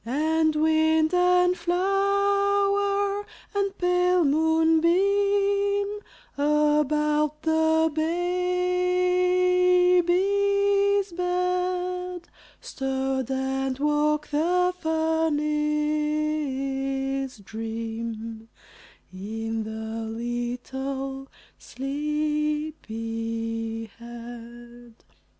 And wind and flower and pale moonbeam About the baby's bed Stirred and woke the funniest dream In the little sleepy head.